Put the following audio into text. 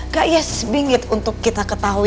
gak yes bingit untuk kita ketahui